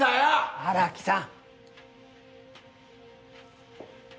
荒木さん